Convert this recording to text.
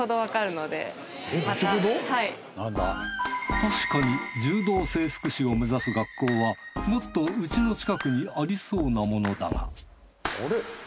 確かに柔道整復師を目指す学校はもっと家の近くにありそうなものだがあれ？